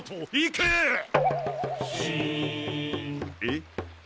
えっ？